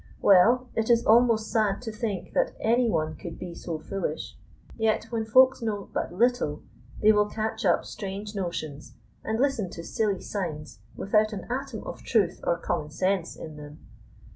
Well, it is almost sad to think that any one could be so foolish, yet when Folks know but little, they will catch up strange notions and listen to silly signs without an atom of truth or common sense in them.